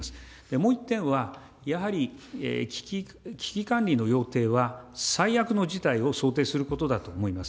もう一点は、やはり危機管理の要諦は最悪の事態を想定することだと思います。